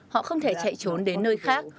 họ không thể chạy trốn đến nơi khác